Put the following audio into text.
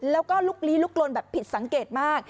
แล้วก็ลุกลี้ลุกลนแบบผิดสังเกตมาก